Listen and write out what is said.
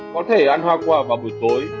có thể ăn hoa quả vào buổi tối